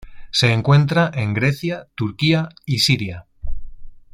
Se encuentra en Grecia, Turquía y Siria.